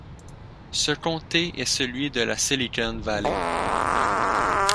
Ce comté est celui de la Silicon Valley.